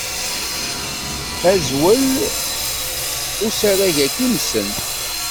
Azwel n usarag-agi-nsen.